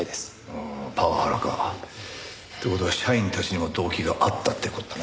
ああパワハラか。って事は社員たちにも動機があったって事だな。